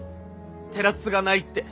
寺継がないって。